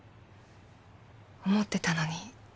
思ってたのに。